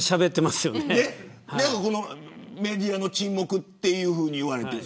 でも、メディアの沈黙というふうに言われている。